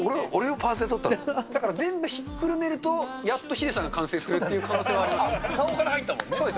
パーツで、だから全部ひっくるめると、やっとヒデさんが完成するっていう可能性はあります。